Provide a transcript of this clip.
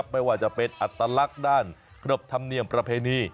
ไม่ว่าจะเป็นอัตลักษณ์ด้านขนบธรรมเนียมประเพณี